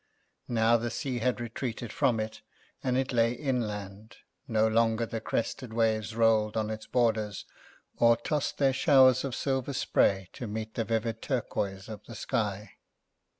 Now the sea had retreated from it, and it lay inland; no longer the crested waves rolled on its borders, or tossed their showers of silver spray to meet the vivid turquoise of the sky.